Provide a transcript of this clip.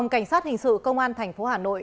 cảnh sát hình sự công an thành phố hà nội